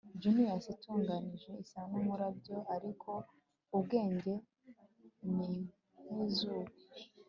genius itunganijwe isa n'umurabyo, ariko ubwenge ni nk'izuba